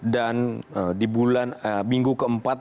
dan di bulan minggu keempat